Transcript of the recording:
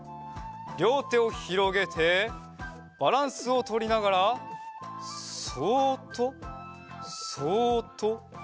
りょうてをひろげてバランスをとりながらそっとそっとそっと。